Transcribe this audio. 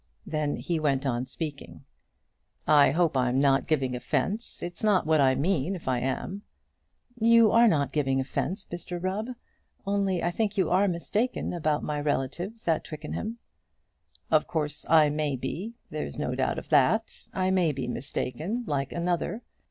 Then he went on speaking. "I hope I'm not giving offence. It's not what I mean, if I am." "You are not giving any offence, Mr Rubb; only I think you are mistaken about my relatives at Twickenham." "Of course, I may be; there's no doubt of that. I may be mistaken, like another.